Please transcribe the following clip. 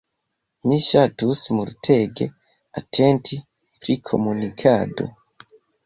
Mi ŝatus multege atenti pri komunikado.